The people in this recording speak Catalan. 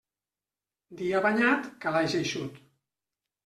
Dia banyat, calaix eixut.